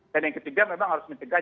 dan yang ketiga memang harus mencegah